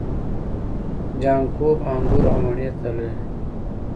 جانکو به انګور او مڼې تللې.